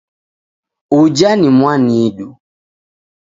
Uja ni mwanidu